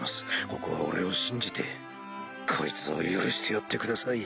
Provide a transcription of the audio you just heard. ここは俺を信じてこいつを許してやってください。